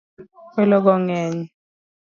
Welo go ngeny.